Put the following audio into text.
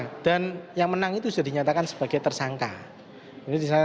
nah dan yang menang itu sudah dinyatakan sebagai tersangka ini tersangka oleh polrestabut surabaya